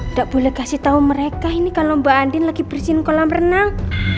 nggak boleh kasih tau mereka ini kalau mbak andin lagi bersin kolam renang